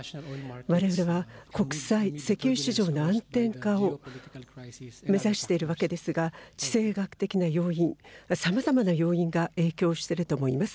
われわれは国際石油市場の安定化を目指しているわけですが、地政学的な要因、さまざまな要因が影響していると思います。